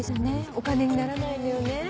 お金にならないのよね。